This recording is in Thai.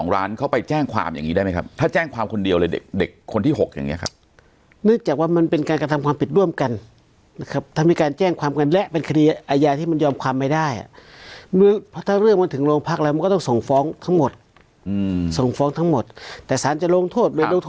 ร้านเขาไปแจ้งความอย่างนี้ได้ไหมครับถ้าแจ้งความคนเดียวเลยเด็กเด็กคนที่๖อย่างนี้ครับเนื่องจากว่ามันเป็นการกระทำความผิดร่วมกันนะครับถ้ามีการแจ้งความกันและเป็นคดีอาญาที่มันยอมความไม่ได้อ่ะเพราะถ้าเรื่องมันถึงโรงพักแล้วมันก็ต้องส่งฟ้องทั้งหมดส่งฟ้องทั้งหมดแต่สารจะลงโทษไม่ลงท